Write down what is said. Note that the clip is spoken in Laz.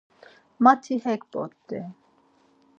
Mati hek bort̆i.